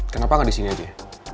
kenapa gak disini aja